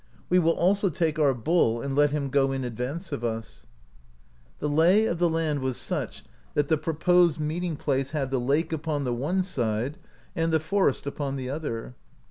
We will also take our bull, and let him go in advance of us/' The lay of the land was such that the proposed meeting place had the lake upon the one side and the forest upon the other.